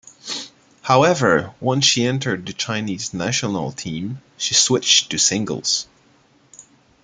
However, once she entered the Chinese national team, she switched to singles.